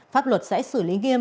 pháp luật sẽ xử lý nghiêm